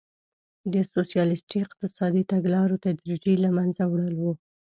د سوسیالیستي اقتصادي تګلارو تدریجي له منځه وړل وو.